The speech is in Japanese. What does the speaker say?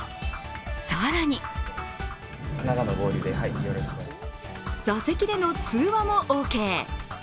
更に座席での通話もオーケー。